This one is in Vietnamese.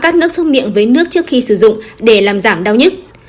cắt nước xúc miệng với nước trước khi sử dụng để làm giảm đau nhất